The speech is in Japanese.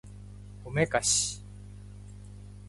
おめかし